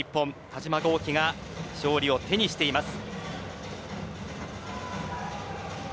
田嶋剛希が勝利を手にしています。